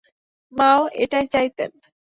মাও এটাই চাইতেন।